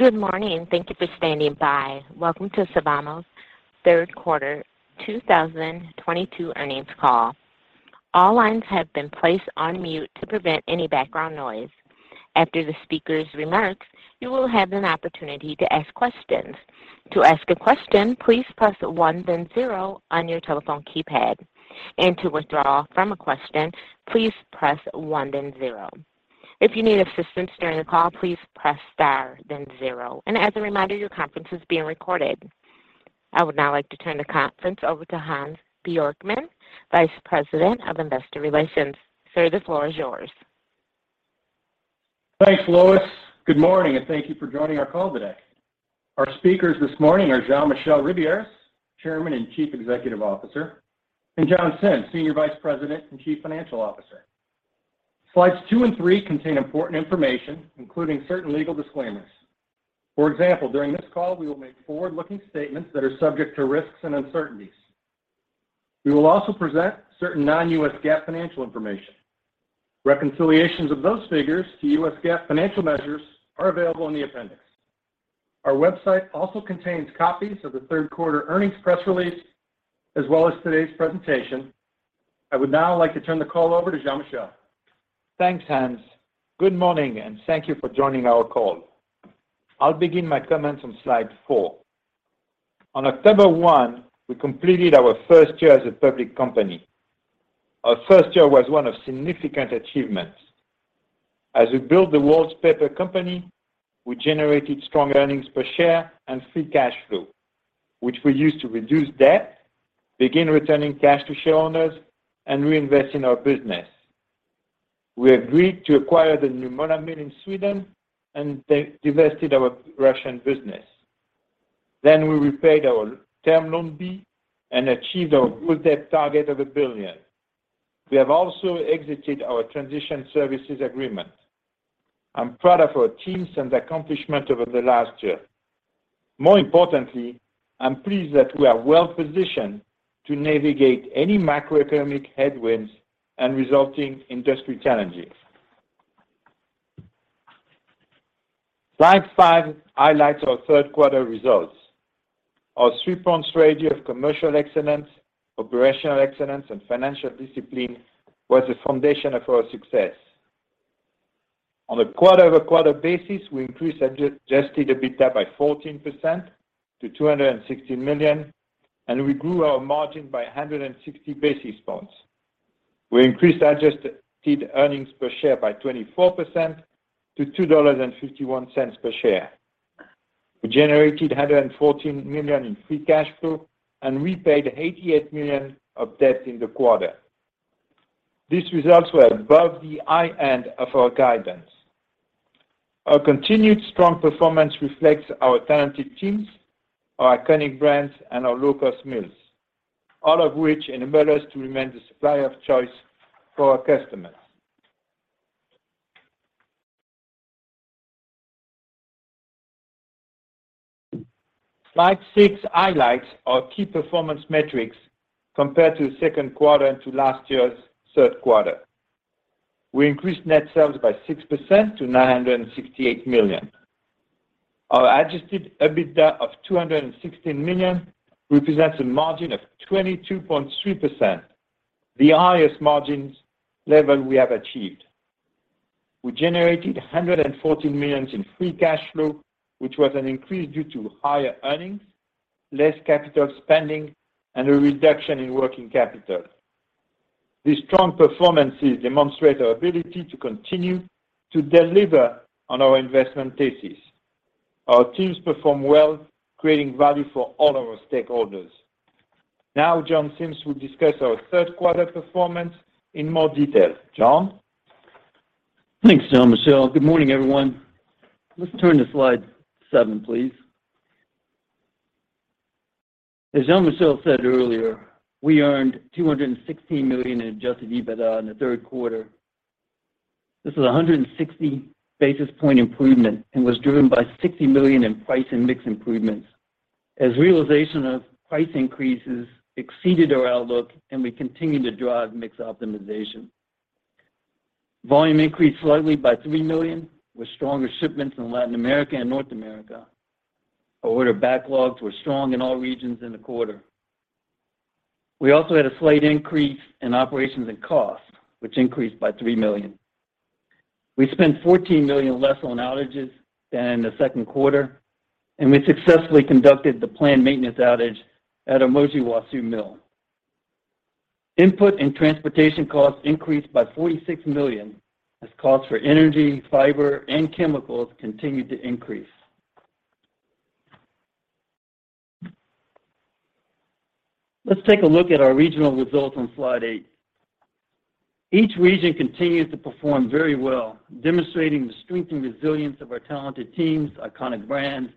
Good morning, and thank you for standing by. Welcome to Sylvamo's third quarter 2022 earnings call. All lines have been placed on mute to prevent any background noise. After the speaker's remarks, you will have an opportunity to ask questions. To ask a question, please press one then zero on your telephone keypad. To withdraw from a question, please press one then zero. If you need assistance during the call, please press star then zero. As a reminder, your conference is being recorded. I would now like to turn the conference over to Hans Bjorkman, Vice President of Investor Relations. Sir, the floor is yours. Thanks, Lois. Good morning, and thank you for joining our call today. Our speakers this morning are Jean-Michel Ribiéras, Chairman and Chief Executive Officer, and John Sims, Senior Vice President and Chief Financial Officer. Slides two and three contain important information, including certain legal disclaimers. For example, during this call, we will make forward-looking statements that are subject to risks and uncertainties. We will also present certain non-US GAAP financial information. Reconciliations of those figures to US GAAP financial measures are available in the appendix. Our website also contains copies of the third quarter earnings press release, as well as today's presentation. I would now like to turn the call over to Jean-Michel. Thanks, Hans. Good morning, and thank you for joining our call. I'll begin my comments on slide four. On October one, we completed our first year as a public company. Our first year was one of significant achievements. As we built the world's paper company, we generated strong earnings per share and free cash flow, which we used to reduce debt, begin returning cash to shareholders, and reinvest in our business. We agreed to acquire the Nymölla mill in Sweden and then divested our Russian business. We repaid our Term Loan B and achieved our good debt target of $1 billion. We have also exited our transition services agreement. I'm proud of our teams and the accomplishment over the last year. More importantly, I'm pleased that we are well-positioned to navigate any macroeconomic headwinds and resulting industry challenges. Slide five highlights our third quarter results. Our three-pronged strategy of commercial excellence, operational excellence, and financial discipline was the foundation of our success. On a quarter-over-quarter basis, we increased adjusted EBITDA by 14% to $216 million, and we grew our margin by 160 basis points. We increased adjusted earnings per share by 24% to $2.51 per share. We generated $114 million in free cash flow and repaid $88 million of debt in the quarter. These results were above the high end of our guidance. Our continued strong performance reflects our talented teams, our iconic brands, and our low-cost mills, all of which enable us to remain the supplier of choice for our customers. Slide 6 highlights our key performance metrics compared to the second quarter and to last year's third quarter. We increased net sales by 6% to $968 million. Our adjusted EBITDA of $216 million represents a margin of 22.3%, the highest margins level we have achieved. We generated $114 million in free cash flow, which was an increase due to higher earnings, less capital spending, and a reduction in working capital. These strong performances demonstrate our ability to continue to deliver on our investment thesis. Our teams perform well, creating value for all our stakeholders. Now John Sims will discuss our third quarter performance in more detail. John? Thanks, Jean-Michel. Good morning, everyone. Let's turn to slide seven, please. As Jean-Michel said earlier, we earned $216 million in adjusted EBITDA in the third quarter. This is a 160 basis point improvement and was driven by $60 million in price and mix improvements as realization of price increases exceeded our outlook, and we continued to drive mix optimization. Volume increased slightly by 3 million, with stronger shipments in Latin America and North America. Our order backlogs were strong in all regions in the quarter. We also had a slight increase in operations and cost, which increased by $3 million. We spent $14 million less on outages than in the second quarter, and we successfully conducted the planned maintenance outage at our Mogi Guaçu mill. Input and transportation costs increased by $46 million as costs for energy, fiber, and chemicals continued to increase. Let's take a look at our regional results on slide eight. Each region continues to perform very well, demonstrating the strength and resilience of our talented teams, iconic brands,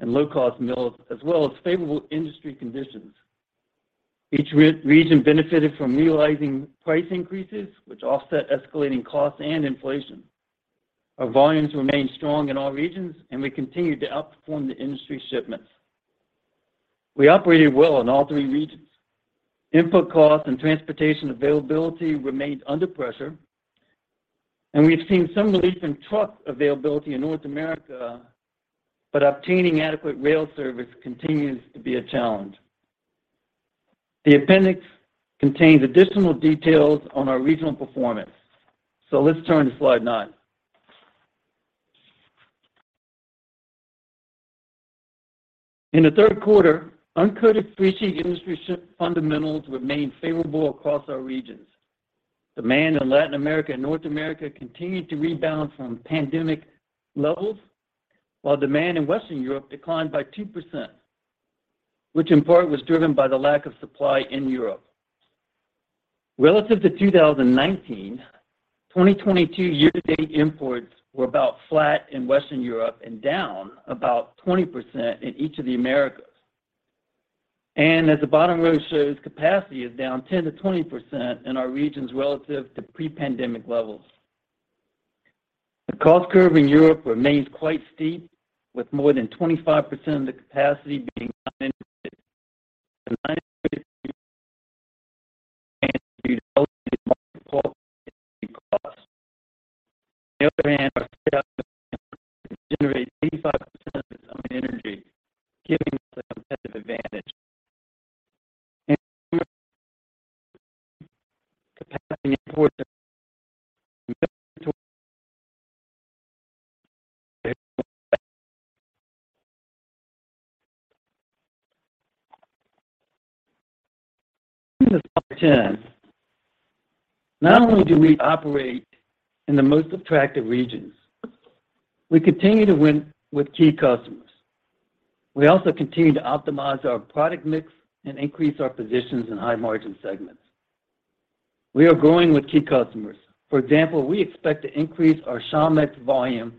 and low-cost mills, as well as favorable industry conditions. Each region benefited from realizing price increases, which offset escalating costs and inflation. Our volumes remained strong in all regions, and we continued to outperform the industry shipments. We operated well in all three regions. Input costs and transportation availability remained under pressure. We have seen some relief in truck availability in North America, but obtaining adequate rail service continues to be a challenge. The appendix contains additional details on our regional performance. Let's turn to slide nine. In the third quarter, uncoated freesheet industry fundamentals remained favorable across our regions. Demand in Latin America and North America continued to rebound from pandemic levels, while demand in Western Europe declined by 2%, which in part was driven by the lack of supply in Europe. Relative to 2019, 2022 year-to-date imports were about flat in Western Europe and down about 20% in each of the Americas. As the bottom row shows, capacity is down 10%-20% in our regions relative to pre-pandemic levels. The cost curve in Europe remains quite steep, with more than 25% of the capacity being unintegrated. The nine integrated plants in Western Europe face relatively high cost. On the other hand, our South American plants generate 85% of their own energy, giving us a competitive advantage. In North America, capacity imports are limited to Slide 10. Not only do we operate in the most attractive regions, we continue to win with key customers. We also continue to optimize our product mix and increase our positions in high-margin segments. We are growing with key customers. For example, we expect to increase our Shawmut volume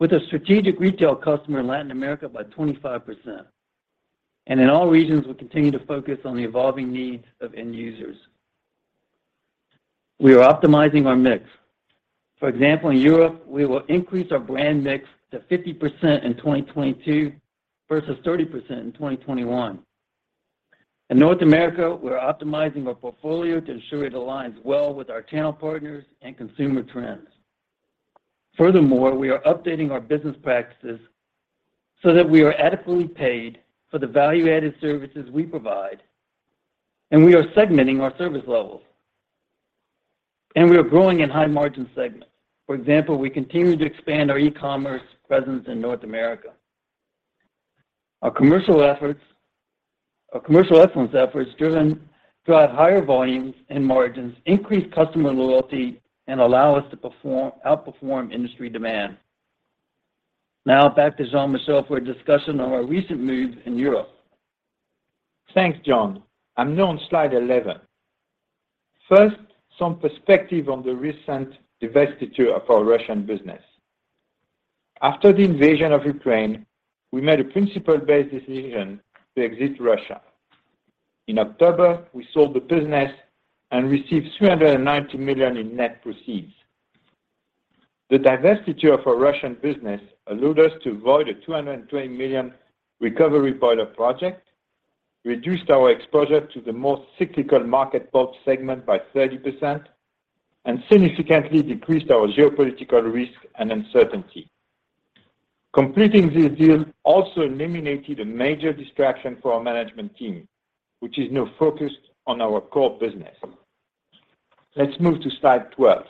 with a strategic retail customer in Latin America by 25%. In all regions, we continue to focus on the evolving needs of end users. We are optimizing our mix. For example, in Europe, we will increase our brand mix to 50% in 2022 versus 30% in 2021. In North America, we are optimizing our portfolio to ensure it aligns well with our channel partners and consumer trends. Furthermore, we are updating our business practices so that we are adequately paid for the value-added services we provide, and we are segmenting our service levels. We are growing in high-margin segments. For example, we continue to expand our e-commerce presence in North America. Our commercial excellence efforts drive higher volumes and margins, increase customer loyalty, and allow us to outperform industry demand. Now back to Jean-Michel for a discussion on our recent moves in Europe. Thanks, John. I'm now on slide 11. First, some perspective on the recent divestiture of our Russian business. After the invasion of Ukraine, we made a principled decision to exit Russia. In October, we sold the business and received $390 million in net proceeds. The divestiture of our Russian business allowed us to avoid a $220 million recovery boiler project, reduced our exposure to the most cyclical market pulp segment by 30%, and significantly decreased our geopolitical risk and uncertainty. Completing this deal also eliminated a major distraction for our management team, which is now focused on our core business. Let's move to slide 12.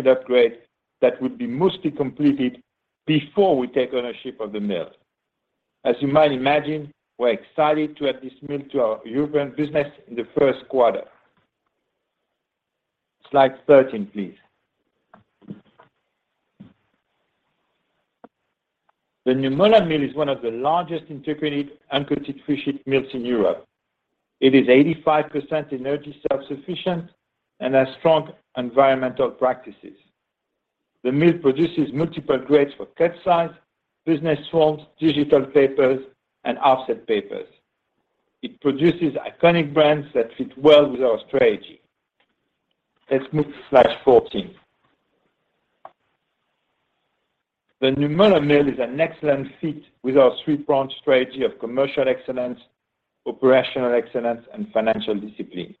We are taking a pulp mill with an upgrade that would be mostly completed before we take ownership of the mill. As you might imagine, we're excited to add this mill to our European business in the first quarter. Slide 13, please. The Nymölla mill is one of the largest integrated uncoated freesheet mills in Europe. It is 85% energy self-sufficient and has strong environmental practices. The mill produces multiple grades for cutsize, business forms, digital papers, and offset papers. It produces iconic brands that fit well with our strategy. Let's move to slide 14. The Nymölla mill is an excellent fit with our three-pronged strategy of commercial excellence, operational excellence, and financial discipline.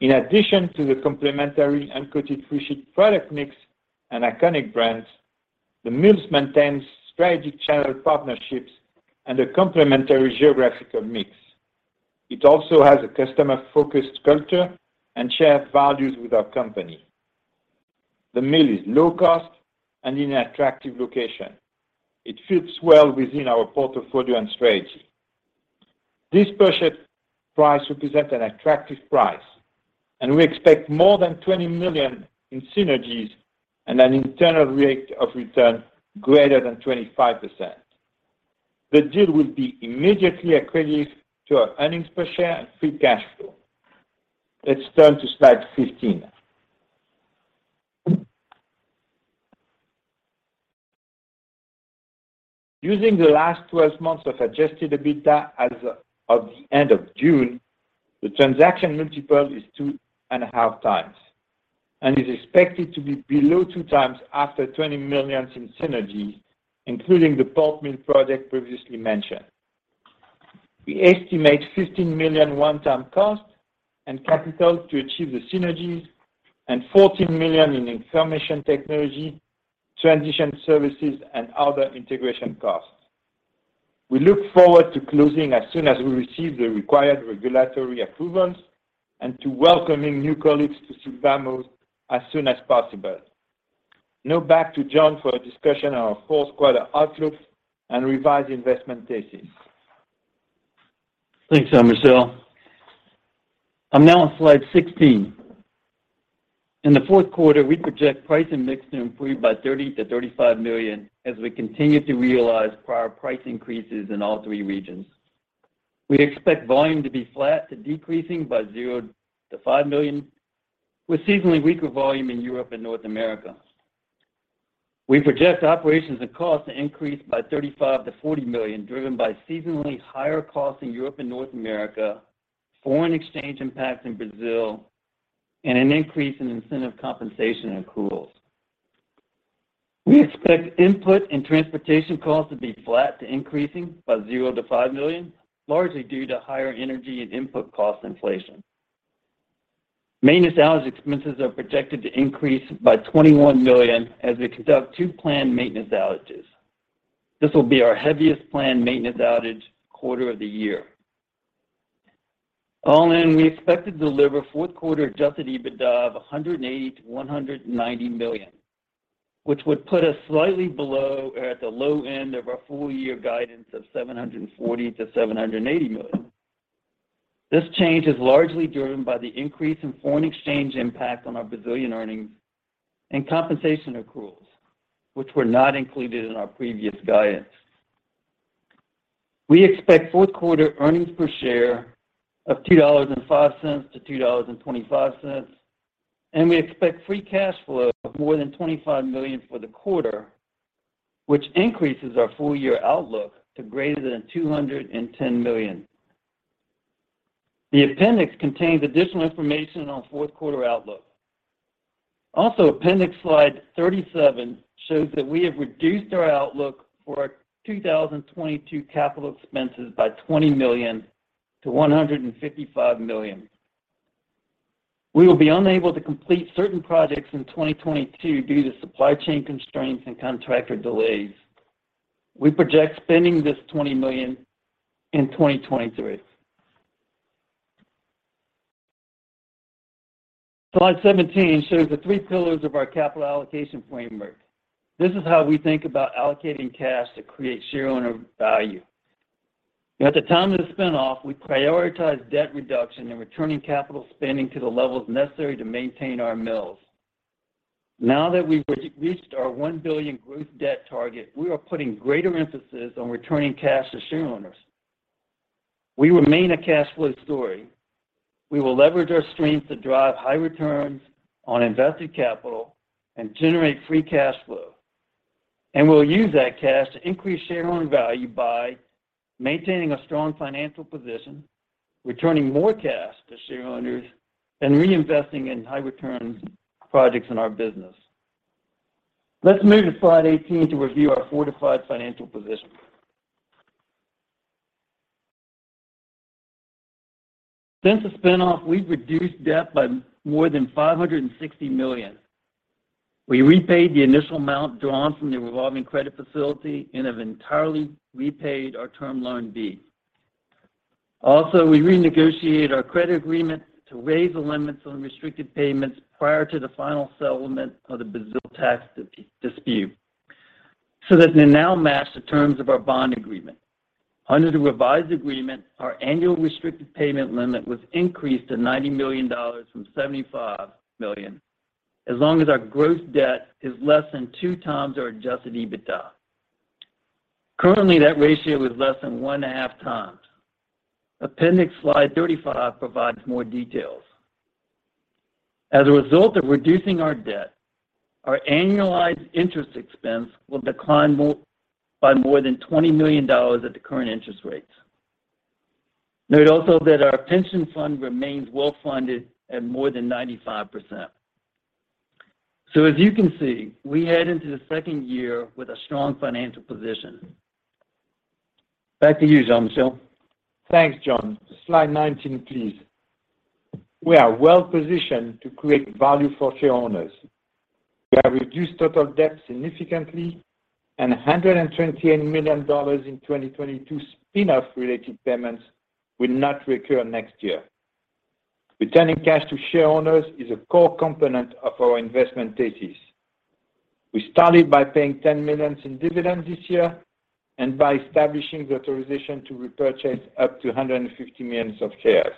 In addition to the complementary uncoated freesheet product mix and iconic brands, the mill maintains strategic channel partnerships and a complementary geographical mix. It also has a customer-focused culture and shares values with our company. The mill is low cost and in an attractive location. It fits well within our portfolio and strategy. This purchase price represents an attractive price, and we expect more than $20 million in synergies and an internal rate of return greater than 25%. The deal will be immediately accretive to our earnings per share and free cash flow. Let's turn to slide 15. Using the last 12 months of adjusted EBITDA as of the end of June, the transaction multiple is 2.5x and is expected to be below 2x after $20 million in synergies, including the pulp mill project previously mentioned. We estimate $15 million one-time costs and capital to achieve the synergies and $14 million in information technology, transition services, and other integration costs. We look forward to closing as soon as we receive the required regulatory approvals and to welcoming new colleagues to Sylvamo's as soon as possible. Now back to John for a discussion on our fourth quarter outlook and revised investment thesis. Thanks, Jean-Michel Ribiéras. I'm now on slide 16. In the fourth quarter, we project price and mix to improve by $30 million-$35 million as we continue to realize prior price increases in all three regions. We expect volume to be flat to decreasing by 0-5 million, with seasonally weaker volume in Europe and North America. We project operations and cost to increase by $35 million-$40 million, driven by seasonally higher costs in Europe and North America, foreign exchange impacts in Brazil, and an increase in incentive compensation accruals. We expect input and transportation costs to be flat to increasing by 0-5 million, largely due to higher energy and input cost inflation. Maintenance outage expenses are projected to increase by $21 million as we conduct 2 planned maintenance outages. This will be our heaviest planned maintenance outage quarter of the year. All in, we expect to deliver fourth quarter adjusted EBITDA of $108 million-$190 million, which would put us slightly below or at the low end of our full year guidance of $740 million-$780 million. This change is largely driven by the increase in foreign exchange impact on our Brazilian earnings and compensation accruals, which were not included in our previous guidance. We expect fourth quarter earnings per share of $2.05-$2.25, and we expect free cash flow of more than $25 million for the quarter, which increases our full year outlook to greater than $210 million. The appendix contains additional information on fourth quarter outlook. Appendix Slide 37 shows that we have reduced our outlook for our 2022 capital expenses by $20 million to $155 million. We will be unable to complete certain projects in 2022 due to supply chain constraints and contractor delays. We project spending this $20 million in 2023. Slide 17 shows the three pillars of our capital allocation framework. This is how we think about allocating cash to create shareowner value. At the time of the spin-off, we prioritized debt reduction and returning capital spending to the levels necessary to maintain our mills. Now that we've reached our $1 billion gross debt target, we are putting greater emphasis on returning cash to shareowners. We remain a cash flow story. We will leverage our strength to drive high returns on invested capital and generate free cash flow. We'll use that cash to increase shareowner value by maintaining a strong financial position, returning more cash to shareowners, and reinvesting in high return projects in our business. Let's move to slide 18 to review our fortified financial position. Since the spin-off, we've reduced debt by more than $560 million. We repaid the initial amount drawn from the revolving credit facility and have entirely repaid our Term Loan B. Also, we renegotiated our credit agreement to raise the limits on restricted payments prior to the final settlement of the Brazil tax dispute so that they now match the terms of our bond agreement. Under the revised agreement, our annual restricted payment limit was increased to $90 million from $75 million, as long as our gross debt is less than 2x our adjusted EBITDA. Currently, that ratio is less than 1.5x. Appendix slide 35 provides more details. As a result of reducing our debt, our annualized interest expense will decline more, by more than $20 million at the current interest rates. Note also that our pension fund remains well-funded at more than 95%. As you can see, we head into the second year with a strong financial position. Back to you, Jean-Michel. Thanks, John. Slide 19, please. We are well-positioned to create value for shareowners. We have reduced total debt significantly, and $128 million in 2022 spin-off related payments will not recur next year. Returning cash to shareowners is a core component of our investment thesis. We started by paying $10 million in dividends this year and by establishing the authorization to repurchase up to 150 million shares.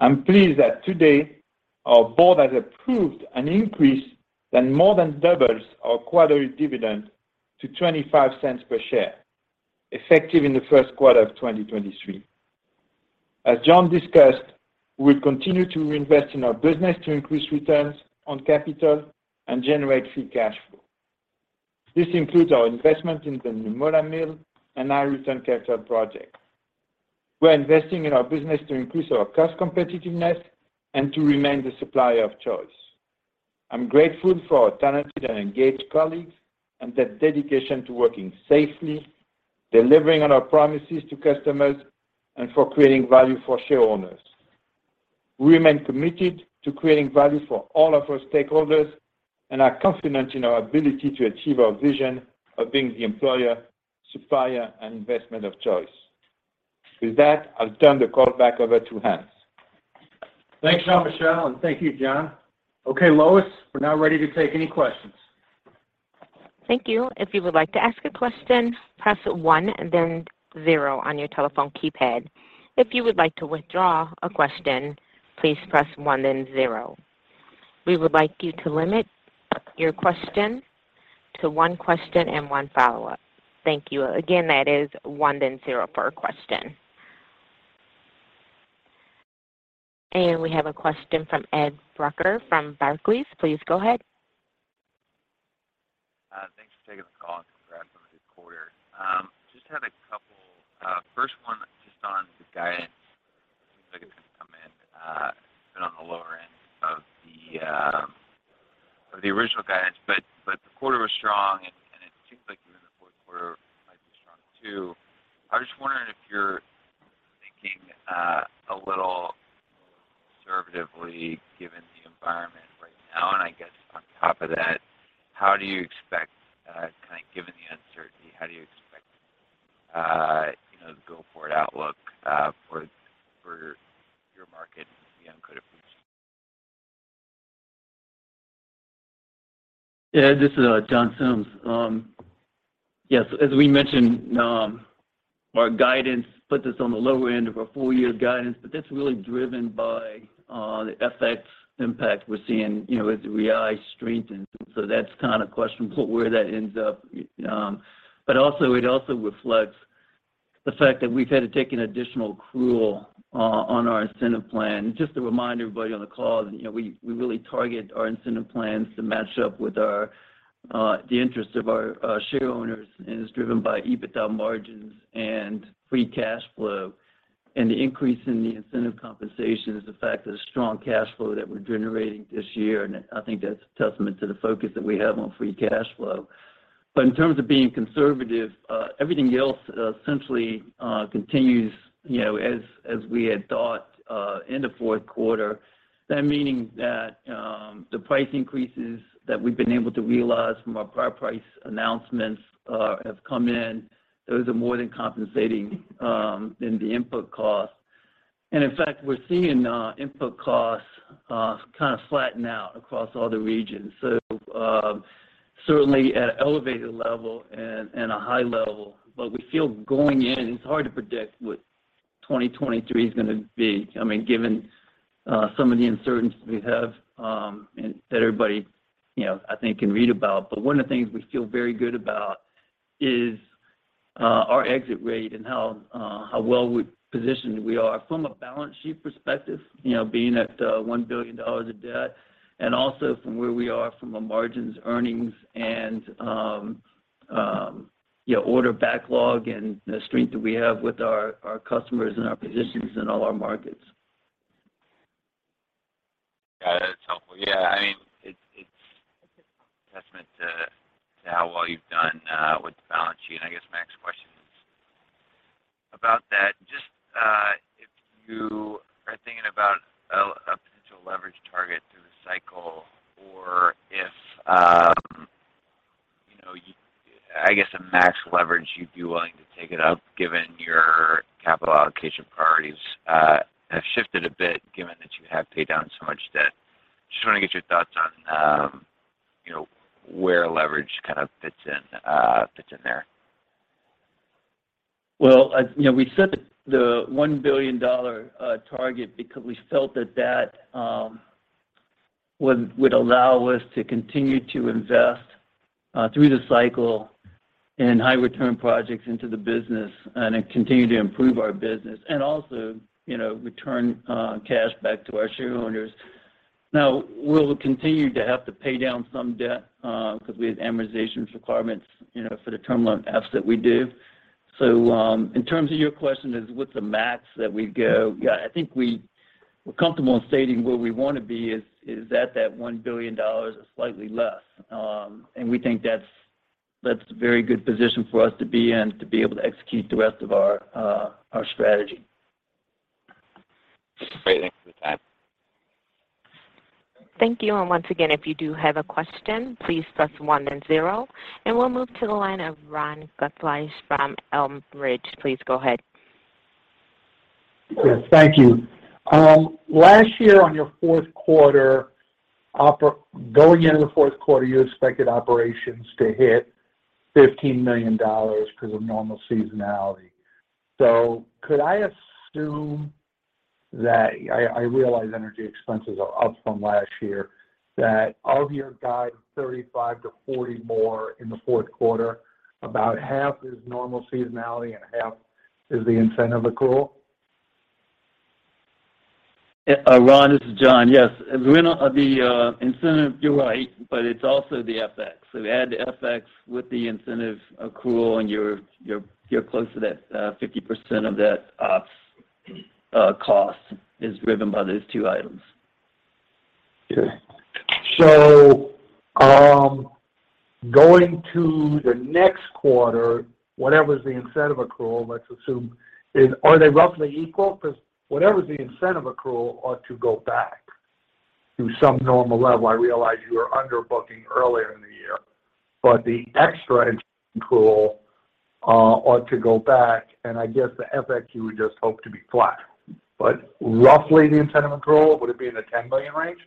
I'm pleased that today our board has approved an increase that more than doubles our quarterly dividend to $0.25 per share, effective in the first quarter of 2023. As John discussed, we'll continue to reinvest in our business to increase returns on capital and generate free cash flow. This includes our investment in the Neenah mill and high return capital projects. We're investing in our business to increase our cost competitiveness and to remain the supplier of choice. I'm grateful for our talented and engaged colleagues and their dedication to working safely, delivering on our promises to customers, and for creating value for shareowners. We remain committed to creating value for all of our stakeholders and are confident in our ability to achieve our vision of being the employer, supplier, and investment of choice. With that, I'll turn the call back over to Hans. Thanks, Jean-Michel, and thank you, John. Okay, Lois, we're now ready to take any questions. Thank you. If you would like to ask a question, press one and then zero on your telephone keypad. If you would like to withdraw a question, please press one then zero. We would like you to limit your question to one question and one follow-up. Thank you. Again, that is one then zero per question. We have a question from Ed Brucker from Barclays. Please go ahead. Thanks for taking the call. Congrats on the good quarter. Just had a couple. First one just on the guidance. It seems like it's gonna come in at the lower end of the original guidance, but the quarter was strong and it seems like even the fourth quarter might be strong too. I was just wondering if you're thinking a little conservatively given the environment right now. I guess on top of that, how do you expect, kind of given the uncertainty, you know, the go-forward outlook for your market beyond COVID boost? Ed, this is John Sims. Yes, as we mentioned, our guidance puts us on the lower end of our full year guidance, but that's really driven by the FX impact we're seeing, you know, as the real strengthens. That's kinda questionable where that ends up. But also, it reflects the fact that we've had to take an additional accrual on our incentive plan. Just to remind everybody on the call that, you know, we really target our incentive plans to match up with the interest of our shareowners and is driven by EBITDA margins and free cash flow. The increase in the incentive compensation is the fact that a strong cash flow that we're generating this year, and I think that's a testament to the focus that we have on free cash flow. In terms of being conservative, everything else essentially continues, you know, as we had thought in the fourth quarter. That meaning that the price increases that we've been able to realize from our prior price announcements have come in. Those are more than compensating in the input costs. In fact, we're seeing input costs kind of flatten out across all the regions. Certainly at an elevated level and a high level. We feel going in, it's hard to predict what 2023 is gonna be, I mean, given some of the uncertainty we have and that everybody, you know, I think can read about. One of the things we feel very good about is our exit rate and how well we are positioned from a balance sheet perspective, you know, being at $1 billion of debt, and also from where we are on margins, earnings, and you know, order backlog and the strength that we have with our customers and our positions in all our markets. Yeah, that's helpful. Yeah, I mean, it's a testament to how well you've done with the balance sheet. I guess my next question is about that. Just, if you are thinking about a potential leverage target through the cycle or if, you know, I guess a max leverage you'd be willing to take it up given your capital allocation priorities have shifted a bit given that you have paid down so much debt. Just wanna get your thoughts on, you know, where leverage kind of fits in there. Well, you know, we set the $1 billion target because we felt that that would allow us to continue to invest through the cycle in high return projects into the business and then continue to improve our business and also, you know, return cash back to our shareowners. Now, we'll continue to have to pay down some debt because we have amortization requirements, you know, for the Term Loan B's that we do. In terms of your question is what's the max that we go, yeah, I think we're comfortable in stating where we wanna be is at that $1 billion or slightly less. We think that's a very good position for us to be in to be able to execute the rest of our strategy. Great. Thank you for the time. Thank you. Once again, if you do have a question, please press one then zero. We'll move to the line of Ron Gutfleish from Elm Ridge. Please go ahead. Yes, thank you. Last year going into the fourth quarter, you expected operations to hit $15 million because of normal seasonality. Could I assume that, I realize energy expenses are up from last year, that out of your guide $35 million-$40 million more in the fourth quarter, about half is normal seasonality and half is the incentive accrual? Ron, this is John. Yes. The incentive, you're right, but it's also the FX. We add the FX with the incentive accrual, and you're close to that 50% of that ops cost is driven by those two items. Okay. Going to the next quarter, whatever's the incentive accrual, let's assume they are roughly equal? Because whatever's the incentive accrual ought to go back to some normal level. I realize you were underbooking earlier in the year. The extra incentive accrual ought to go back. I guess the FX you would just hope to be flat. Roughly the incentive accrual, would it be in the $10 million range?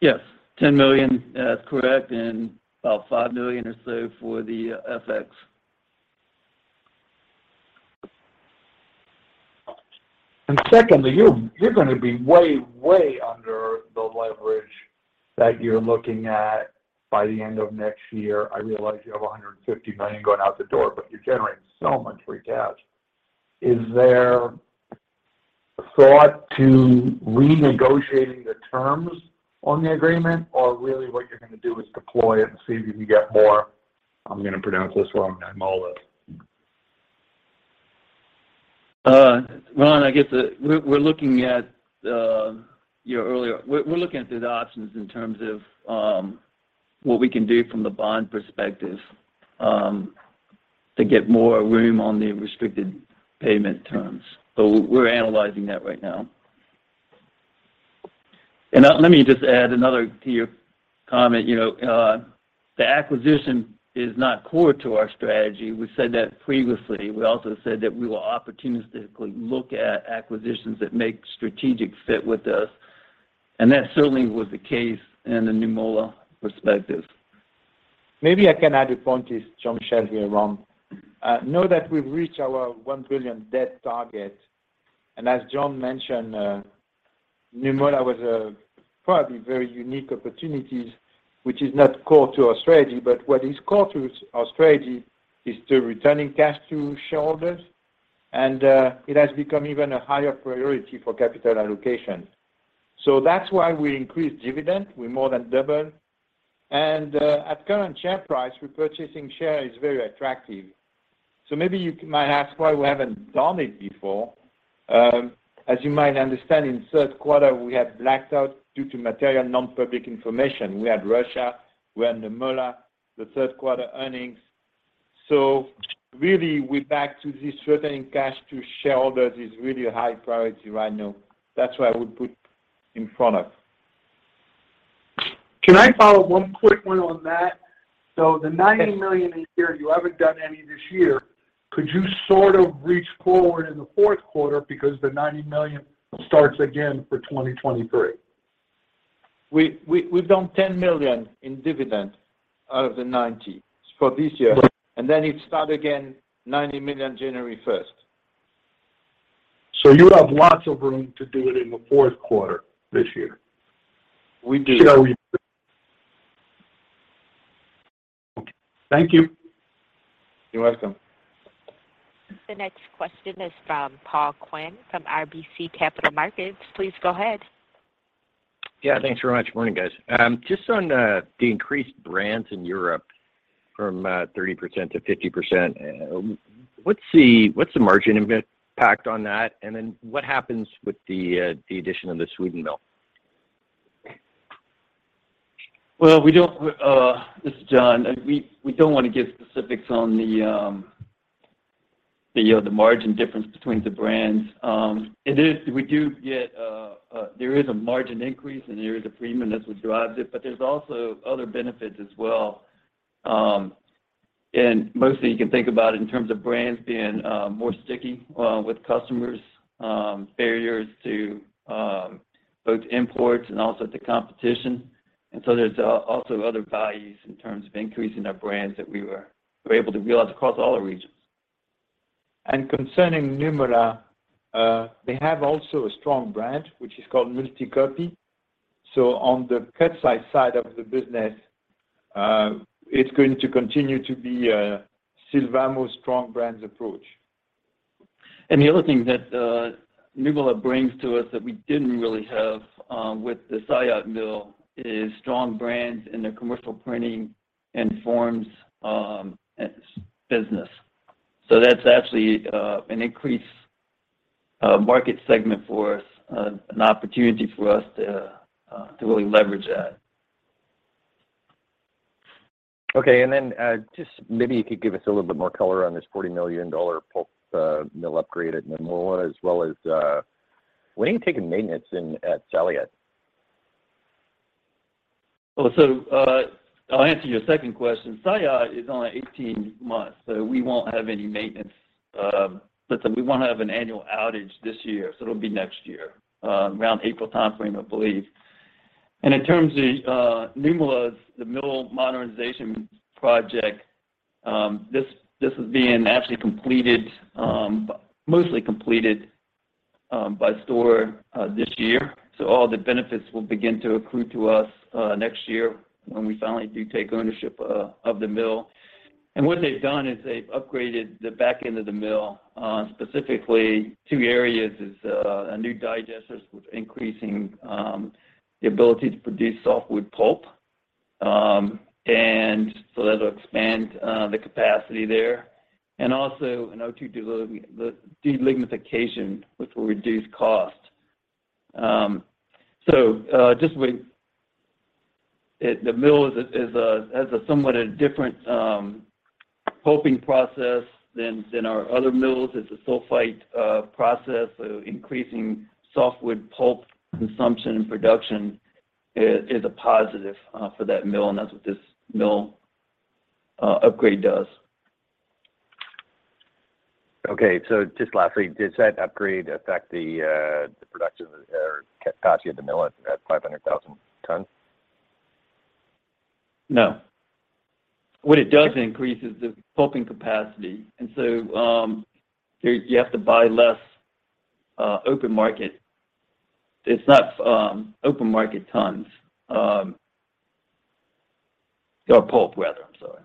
Yes. $10 million is correct, and about $5 million or so for the FX. Secondly, you're gonna be way under the leverage that you're looking at by the end of next year. I realize you have $150 million going out the door, but you're generating so much free cash. Is there thought to renegotiating the terms on the agreement or really what you're gonna do is deploy it and see if you can get more? I'm gonna pronounce this wrong, Nymölla? Ron, I guess we're looking at the options in terms of what we can do from the bond perspective to get more room on the restricted payment terms. We're analyzing that right now. Let me just add another to your comment. You know, the acquisition is not core to our strategy. We said that previously. We also said that we will opportunistically look at acquisitions that make strategic fit with us, and that certainly was the case in the Nymölla perspective. Maybe I can add a point to John. This is Charles here, Ron. You know that we've reached our $1 billion debt target, and as John mentioned, Nymölla was a probably very unique opportunity, which is not core to our strategy. What is core to our strategy is returning cash to shareholders, and it has become even a higher priority for capital allocation. That's why we increased dividend. We more than double. At current share price, repurchasing share is very attractive. Maybe you might ask why we haven't done it before. As you might understand, in third quarter, we had blacked out due to material non-public information. We had Russia, we had Nymölla, the third quarter earnings. Really we're back to this returning cash to shareholders is really a high priority right now. That's why we put in front of. Can I follow one quick one on that? Yes. $90 million a year, you haven't done any this year. Could you sort of reach forward in the fourth quarter because the $90 million starts again for 2023? We've done $10 million in dividend out of the $90 for this year. Right. It starts again $90 million January first. You have lots of room to do it in the fourth quarter this year? We do. Thank you. You're welcome. The next question is from Paul Quinn from RBC Capital Markets. Please go ahead. Yeah, thanks very much. Morning, guys. Just on the increased brands in Europe from 30%-50%. What's the margin impact on that? What happens with the addition of the Sweden mill? Well, this is John. We don't want to give specifics on the, you know, the margin difference between the brands. We do get there is a margin increase, and there is a premium. That's what drives it. But there's also other benefits as well, and mostly you can think about it in terms of brands being more sticky with customers, barriers to both imports and also to competition. There's also other values in terms of increasing our brands that we were able to realize across all the regions. Concerning Nymölla, they have also a strong brand, which is called Multicopy. On the cutsize side of the business, it's going to continue to be Sylvamo strong brands approach. The other thing that Nymölla brings to us that we didn't really have with the Saillat mill is strong brands in their commercial printing and forms business. That's actually an increased market segment for us, an opportunity for us to really leverage that. Just maybe you could give us a little bit more color on this $40 million pulp mill upgrade at Nymölla, as well as when are you taking maintenance in at Saillat? Well, I'll answer your second question. Saillat is only 18 months, so we won't have any maintenance, we won't have an annual outage this year, so it'll be next year, around April timeframe, I believe. In terms of Nymölla's, the mill modernization project, this is actually being completed, mostly completed, by Stora this year. All the benefits will begin to accrue to us next year when we finally do take ownership of the mill. What they've done is they've upgraded the back end of the mill, specifically two areas is a new digester with increasing the ability to produce softwood pulp. So that'll expand the capacity there. Also an O2 delignification, which will reduce cost. Just wait. The mill has a somewhat different pulping process than our other mills. It's a sulfite process of increasing softwood pulp consumption and production is a positive for that mill, and that's what this mill upgrade does. Okay, just lastly, does that upgrade affect the production or capacity of the mill at 500,000 tons? No. What it does, it increases the pulping capacity. You have to buy less open market. It's not open market tons or pulp rather. I'm sorry.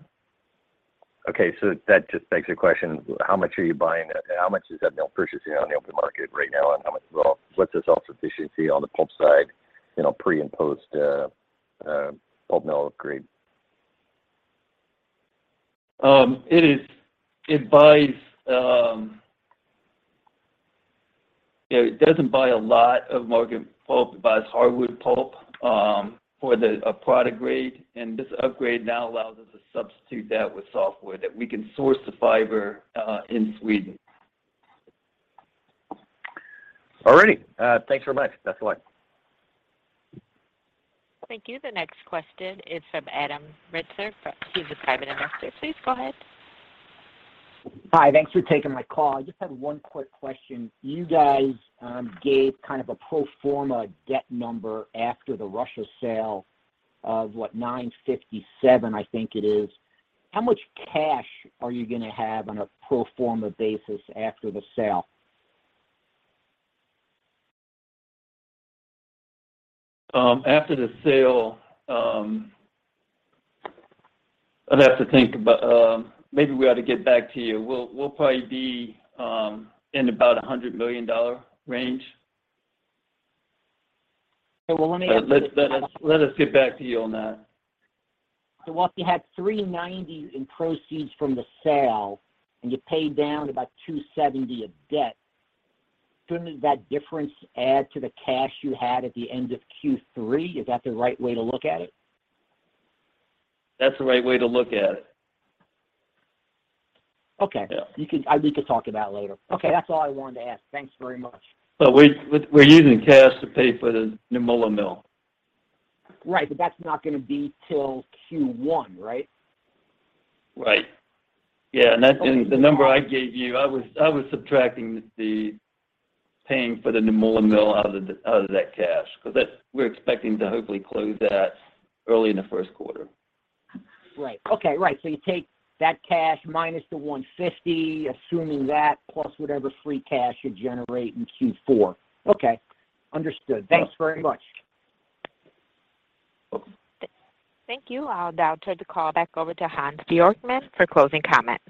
Okay. That just begs the question, how much are you buying and how much is that mill purchasing on the open market right now? How much is all? What's the self-sufficiency on the pulp side, you know, pre and post, pulp mill upgrade? It buys, you know, it doesn't buy a lot of market pulp. It buys hardwood pulp for a product grade. This upgrade now allows us to substitute that with softwood that we can source the fiber in Sweden. All righty. Thanks very much. That's all I have. Thank you. The next question is from Adam Ritser. He's a private investor. Please go ahead. Hi. Thanks for taking my call. I just had one quick question. You guys gave kind of a pro forma debt number after the Russia sale of what, $957 million I think it is. How much cash are you gonna have on a pro forma basis after the sale? After the sale, I'd have to think about maybe we ought to get back to you. We'll probably be in about a $100 million range. Well, let me ask. Let us get back to you on that. Well, if you had $390 million in proceeds from the sale and you paid down about $270 million of debt, shouldn't that difference add to the cash you had at the end of Q3? Is that the right way to look at it? That's the right way to look at it. Okay. Yeah. We could talk about it later. Okay. Okay. That's all I wanted to ask. Thanks very much. We're using cash to pay for the Nymölla mill. Right. That's not gonna be till Q1, right? Right. Yeah. The number I gave you, I was subtracting the payment for the Nymölla mill out of that cash because we're expecting to hopefully close that early in the first quarter. Right. Okay. Right. You take that cash minus the $150, assuming that plus whatever free cash you generate in Q4. Okay. Understood. Yeah. Thanks very much. Welcome. Thank you. I'll now turn the call back over to Hans Bjorkman for closing comments.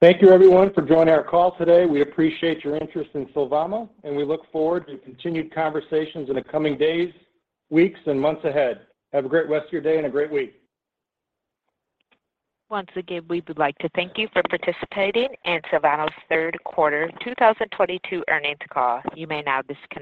Thank you everyone for joining our call today. We appreciate your interest in Sylvamo, and we look forward to continued conversations in the coming days, weeks, and months ahead. Have a great rest of your day and a great week. Once again, we would like to thank you for participating in Sylvamo's third quarter 2022 earnings call. You may now disconnect.